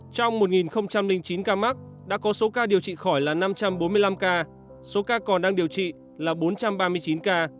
trong một chín ca mắc đã có số ca điều trị khỏi là năm trăm bốn mươi năm ca số ca còn đang điều trị là bốn trăm ba mươi chín ca